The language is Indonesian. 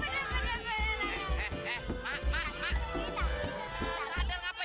jangan kamu seperti si iman